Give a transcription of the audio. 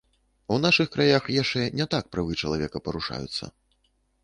У нашых краях яшчэ не так правы чалавека парушаюцца.